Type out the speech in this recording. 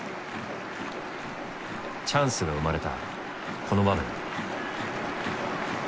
チャンスが生まれたこの場面。